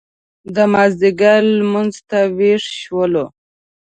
د مازیګر لمانځه ته وېښ شولو.